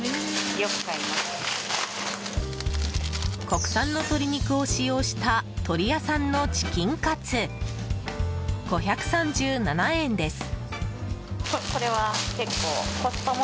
国産の鶏肉を使用した鶏屋さんのチキンカツ５３７円です。